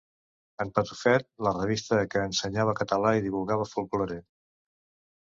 En Patufet, la revista que ensenyava català i divulgava folklore.